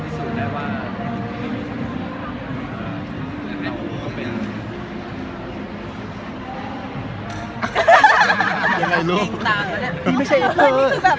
เหมือนลี่ตานีนี้แหละก็คือของเราและตอนนี้ใช่ไหม